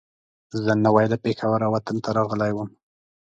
زه نوی له پېښوره وطن ته راغلی وم.